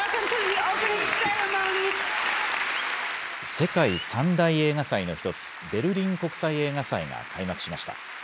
世界３大映画祭の１つ、ベルリン国際映画祭が開幕しました。